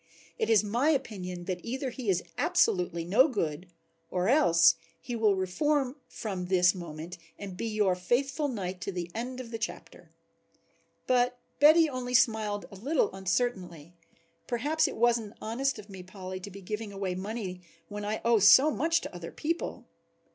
"It is my opinion that either he is absolutely no good or else he will reform from this moment and be your faithful knight to the end of the chapter." But Betty only smiled a little uncertainly. "Perhaps it wasn't honest of me, Polly, to be giving away money when I owe so much to other people."